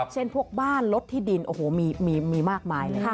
เช่นพวกบ้านรถที่ดินมีมากมายเลยค่ะ